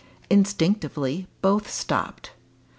Instinctively both stopped.